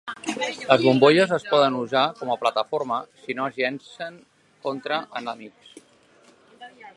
Les bombolles es poden usar com a plataforma si no es llencen contra enemics.